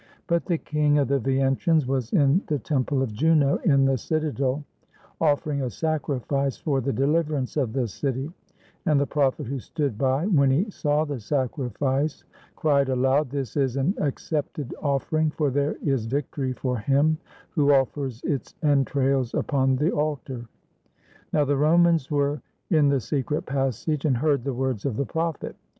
But the king of the Veientians was in the temple of Juno in the citadel, offering a sacrifice for the deHverance of the city; and the prophet who stood by, when he saw the sacrifice, cried aloud, "This is an accepted offering; for there is victory for him who offers its entrails upon the altar!" Now the Romans were in the secret passage, and heard the words of the prophet.